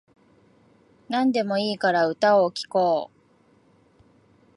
なんでもいいから歌を聴こう